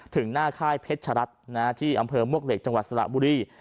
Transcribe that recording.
ถึงหน้าค่ายเพชรัตน์ที่อำเภอมวกเหล็กจังหวัดสระบุรี